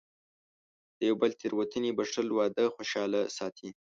د یو بل تېروتنې بښل، واده خوشحاله ساتي.